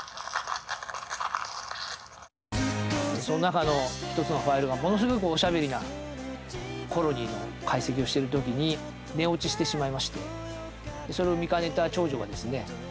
その中の１つのファイルがものすごくおしゃべりなコロニーの解析をしてる時に寝落ちしてしまいましてそれを見かねた長女がですね